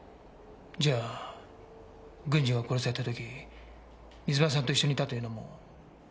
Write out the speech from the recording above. じゃあ軍司が殺された時水間さんと一緒にいたというのも。